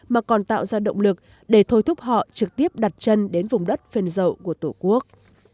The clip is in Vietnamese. mà còn tạo ra động lực để thôi thúc họ trực tiếp đặt chân đến vùng đất phên dậu của tổ quốc